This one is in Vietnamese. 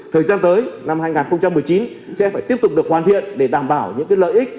thời gian tới năm hai nghìn một mươi chín cũng sẽ phải tiếp tục được hoàn thiện để đảm bảo những lợi ích